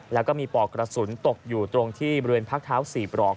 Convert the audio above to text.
แล้วก็มีปลอกกระสุนตกอยู่ตรงที่บริเวณพักเท้า๔ปลอก